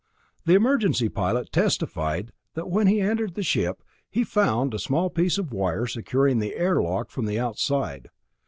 The emergency pilot testified that when he entered the ship, he found a small piece of wire securing the air lock from the outside.